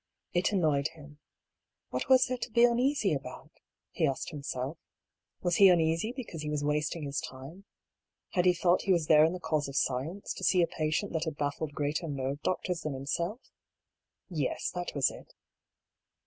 It annoyed him. What was there to be uneasy about? he asked himself. Was he uneasy because he was wasting his time ? Had he thought he was there in the cause of science, to see a 196 I>R. PAULL'S THEORY. patient that had baffled greater nerve doctors than him self? Yes, that was it.